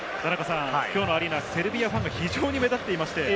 今日のアリーナ、セルビアファンも非常に目立ってます。